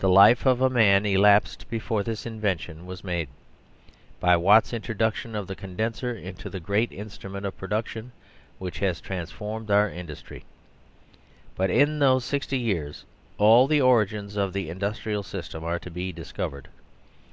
The life of a man elapsed before this invention was made, by Watt's introduction of the condenser, into the great instru ment of production which has transformed our in dustry but in those sixty years all the origins of the Industrial System are to be discovered.